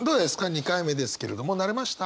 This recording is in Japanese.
２回目ですけれども慣れました？